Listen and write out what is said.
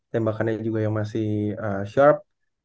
tembakannya juga yang masih shop